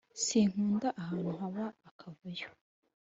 sinkunda ahantu haba akavuyo